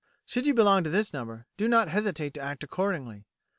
Should you belong to this number, do not hesitate to act accordingly.